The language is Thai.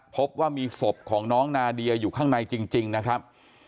พบว่ามีศพของน้องนาเดียอยู่ข้างในจริงนะครับ